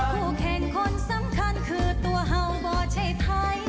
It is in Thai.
คู่แข่งคนสำคัญคือตัวเห่าบ่อใช่ไทย